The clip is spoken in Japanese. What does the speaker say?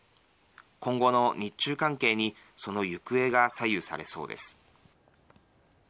今後の日中関係にその行方が左右されそうです。